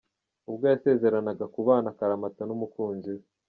ubwo yasezeranaga kubana akaramata n’umukunzi we.